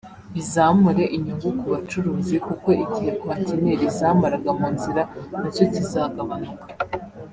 bizamure inyungu ku bacuruzi kuko igihe kontineri zamaraga mu nzira na cyo kizagabanuka